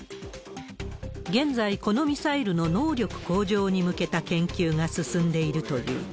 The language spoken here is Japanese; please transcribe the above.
現在、このミサイルの能力向上に向けた研究が進んでいるという。